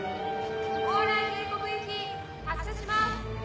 蓬莱渓谷行き発車します！